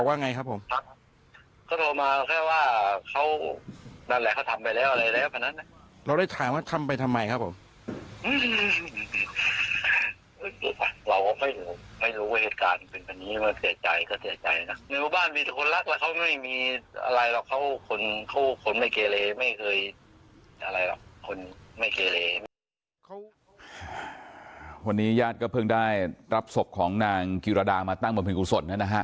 วันนี้ญาติญาติก็เพิ่งได้รับศพของนางจิรดามาตั้งบำเพ็งกุศลนะฮะ